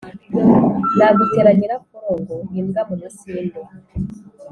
Nagutera Nyiraforongo-Imbwa mu masinde.